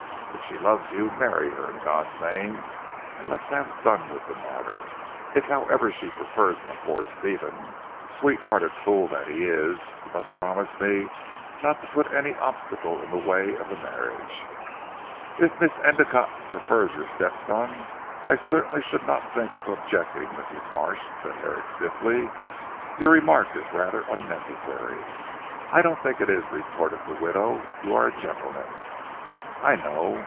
If she loves you, marry her in God's name and let's have done with the matter. If however she prefers my poor Stephen sweet hearted fool that he is you must promise me not to put any obstacle in the way of the marriage." "If Miss Endicotte prefers your step son I certainly should not think of objecting Mrs. Marsh," said Herrick stiffly. "Your remark is rather unnecessary." "I don't think it is," retorted the widow, "you are a gentleman, I know.